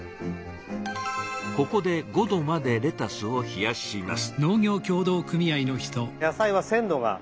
ここで５℃までレタスを冷やします。